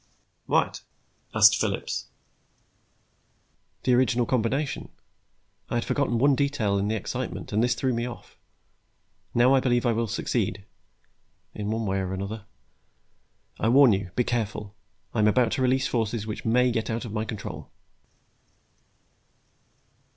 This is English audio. "What?" asked Phillips. "The original combination. I had forgotten one detail in the excitement, and this threw me off. Now I believe I will succeed in one way or another. I warn you, be careful. I am about to release forces which may get out of my control."